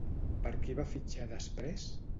Per qui va fitxar després?